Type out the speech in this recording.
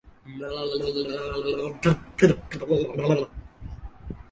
এরপরে তিনি পাবলিক ইন্সট্রাকশন-এর সহকারী পরিচালক হিসাবে ঢাকায় চলে আসেন।